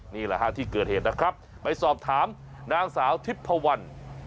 นี่แหละฮะที่เกิดเหตุนะครับไปสอบถามนางสาวทิพพวัน